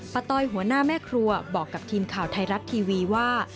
ต้อยหัวหน้าแม่ครัวบอกกับทีมข่าวไทยรัฐทีวีว่า